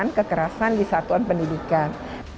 dan kekerasan di satuan pendidikan